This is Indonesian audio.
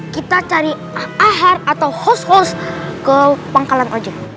kita cari ahar atau hos hos ke pangkalan aja